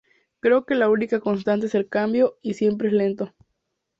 Creo que la única constante es el cambio, y siempre es lento.